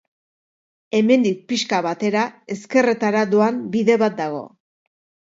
Hemendik pixka batera, ezkerretara doan bide bat dago.